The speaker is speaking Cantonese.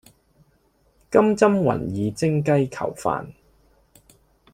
金針雲耳蒸雞球飯